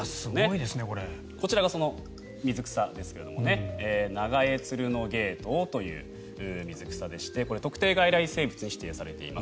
こちらがその水草ですがナガエツルノゲイトウという水草でして特定外来生物に指定されています。